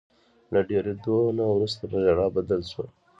له ډیریدو نه وروسته په ژړا بدل شول.